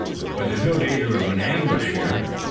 But there's no danger of an ambush here?"